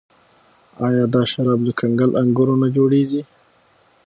آیا دا شراب له کنګل انګورو نه جوړیږي؟